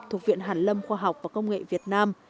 thuộc viện hàn lâm khoa học và công nghệ việt nam